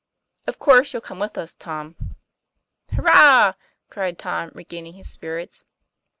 Of course you'll come with us, Tom." Hurrah!" cried Tom, regaining his spirits.